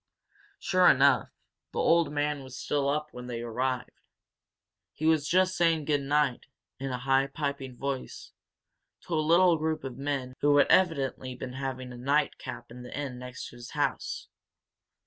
Sure enough, the old man was still up when they arrived. He was just saying goodnight, in a high, piping voice, to a little group of men who had evidently been having a nightcap in the inn next to his house.